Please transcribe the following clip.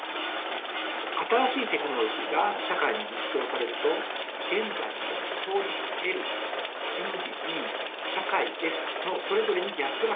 新しいテクノロジーが社会に実装されると現在の法律倫理社会のそれぞれにギャップが生じます。